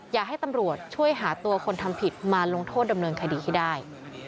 อยากให้ตำรวจช่วยหาตัวคนทำผิดมาลงโทษดำเนินคดีให้ได้